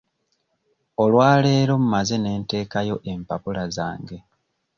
Olwa leero mmaze ne nteekayo empapula zange.